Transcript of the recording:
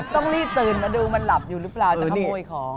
ต้องรีบตื่นมาดูมันหลับอยู่หรือเปล่าจะขโมยของ